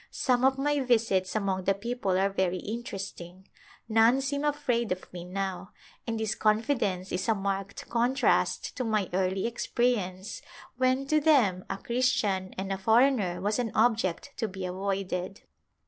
Some of my visits among the people are very interesting ; none seem afraid of me now, and this confidence is a marked contrast to my early experience when, to them, a Christian and a foreigner was an object to be avoided.